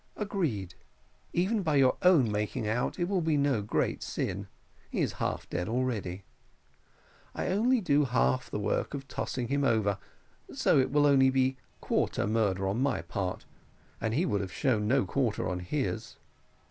"Agreed; even by your own making out, it will be no great sin. He is half dead already I only do _half _the work of tossing him over, so it will be only _quarter _murder on my part, and he would have shown no quarter on his."